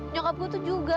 nyokap gue tuh juga